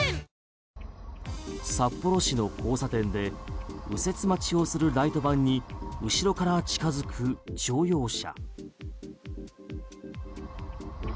札幌市の交差点で右折待ちをするライトバンに後ろから近づく乗用車。